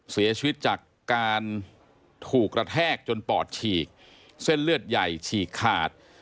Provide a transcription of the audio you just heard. เสียชีวิตจากการถูกกระแทกจนปอดฉีกเส้นเลือดใหญ่ฉีกขาด